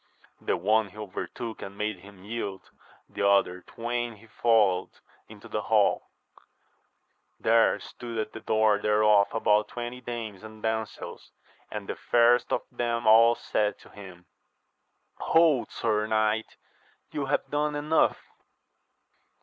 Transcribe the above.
The one he overtook and made him yield, the other twain he followed into the hall ; there stood at the door thereof about twenty dames and damsels, and the fairest of them all said to him, Hold, sir knight, you have done enough.